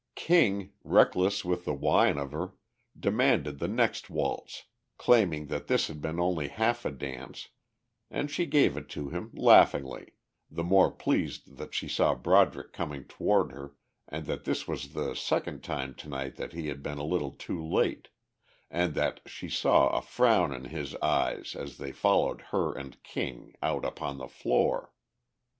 King, reckless with the wine of her, demanded the next waltz, claiming that this had been only half a dance, and she gave it to him laughingly, the more pleased that she saw Broderick coming toward her and that this was the second time tonight that he had been a little too late, and that she saw a frown in his eyes as they followed her and King out upon the floor.